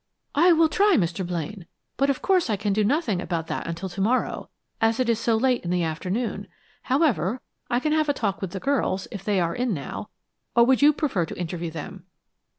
"I will try, Mr. Blaine, but of course I can do nothing about that until to morrow, as it is so late in the afternoon. However, I can have a talk with the girls, if they are in now or would you prefer to interview them?"